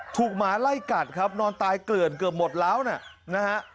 หมาไล่กัดครับนอนตายเกลื่อนเกือบหมดแล้วนะฮะ